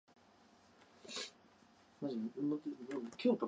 富士山は日本一高い山だ。